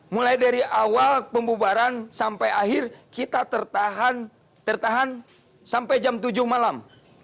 mulai dari awal pembubaran sampai akhir kita tertahan sampai jam tujuh malam